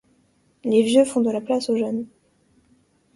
Les vieux font de la place aux jeunes.